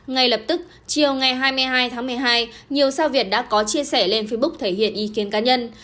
ngay lập tức chiều ngày hai mươi hai tháng một mươi hai nhiều sao việt đã có chia sẻ lên facebook thể hiện ý kiến cá nhân